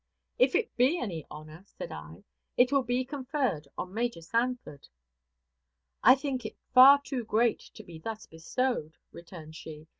"If it be any honor," said I, "it will be conferred on Major Sanford." "I think it far too great to be thus bestowed," returned she.